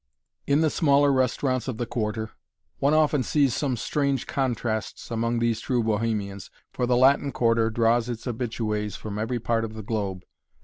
In the smaller restaurants of the Quarter one often sees some strange contrasts among these true bohemians, for the Latin Quarter draws its habitués from every part of the globe.